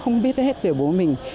không biết hết về bố mình